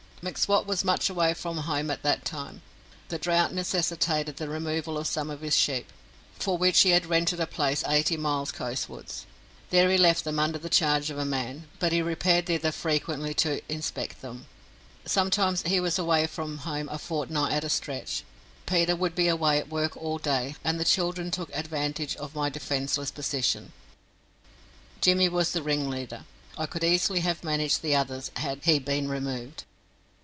M'Swat was much away from home at that time. The drought necessitated the removal of some of his sheep, for which he had rented a place eighty miles coastwards. There he left them under the charge of a man, but he repaired thither frequently to inspect them. Sometimes he was away from home a fortnight at a stretch. Peter would be away at work all day, and the children took advantage of my defenceless position. Jimmy was the ringleader. I could easily have managed the others had he been removed.